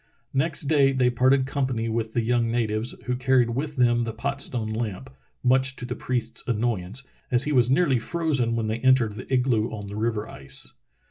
Next day they parted company with the young na tives, who carried with them the pot stone lamp, much to the priest's annoyance, as he was nearly frozen when they entered the igloo on the river ice.